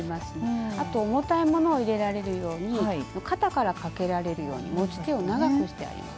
あと重たいものを入れられるように肩からかけられるように持ち手を長くしてあります。